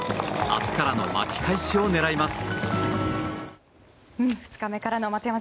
明日からの巻き返しを狙います。